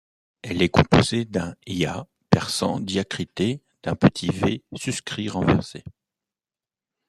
Elle est composée d’un yāʾ persan diacrité d’un petit v suscrit renversé.